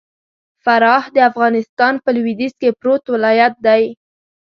فراه د افغانستان په لوېديځ کي پروت ولايت دئ.